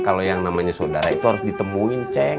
kalau yang namanya sodara itu harus ditemuin ceng